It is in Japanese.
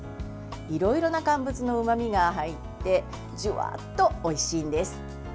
いろいろな乾物のうまみが入ってジュワッと、おいしいんです。